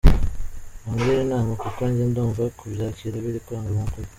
Mungire Inama kuko njye ndumva kubyakira biri kwanga nukuri.